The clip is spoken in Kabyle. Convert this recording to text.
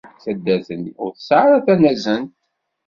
Taddart-nni ur tesɛi ara tanazent.